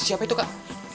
siapa itu kak